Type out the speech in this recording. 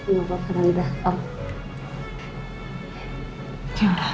ya gak apa apa tante